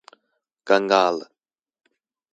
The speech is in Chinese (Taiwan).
尷尬了